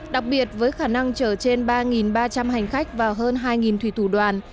đặc biệt với khả năng chở trên ba ba trăm linh hành khách và hơn hai thủy thủ đoàn